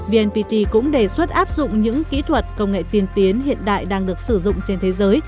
vnpt cũng đề xuất áp dụng những kỹ thuật công nghệ tiên tiến hiện đại đang được sử dụng trên thế giới